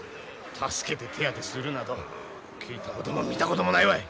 助けて手当てするなど聞いたことも見たこともないわい！